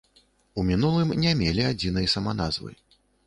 У мінулым не мелі адзінай саманазвы.